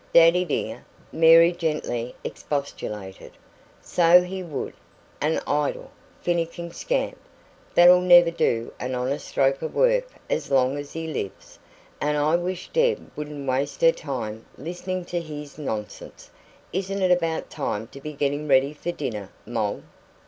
"Daddy dear!" Mary gently expostulated. "So he would. An idle, finicking scamp, that'll never do an honest stroke of work as long as he lives. And I wish Deb wouldn't waste her time listening to his nonsense. Isn't it about time to be getting ready for dinner, Moll?"